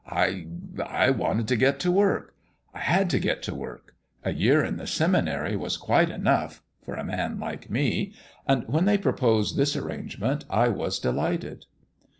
I I wanted to get to work. I had to get to work. A year in the seminary was quite enough for a man like me. PALE PETER'S GAME 67 And when they proposed this arrangement I was delighted."